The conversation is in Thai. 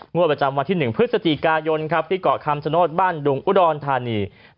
งวดประจำวันที่๑พฤศจิกายนครับที่เกาะคำชโนธบ้านดุงอุดรธานี